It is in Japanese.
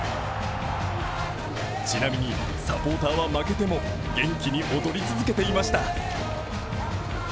ちなみにサポーターは負けても元気に踊り続けていました。